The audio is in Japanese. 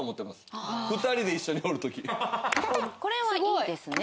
これはいいですね。